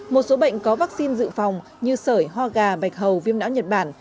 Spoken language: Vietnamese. một số bệnh có vaccine dự phòng như sởi ho gà bạch hầu viêm não nhật bản